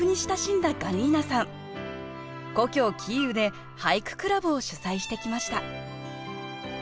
故郷キーウで俳句クラブを主宰してきました